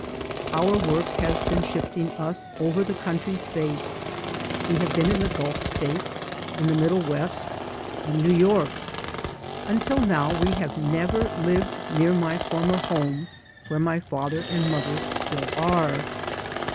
Our work has been shifting us over the country's face; we have been in the Gulf States, in the Middle West, in New York. Until now we have never lived near my former home where my father and mother still are.